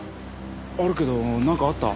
あるけどなんかあった？